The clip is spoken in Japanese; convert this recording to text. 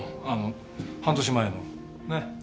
あの半年前のねっ？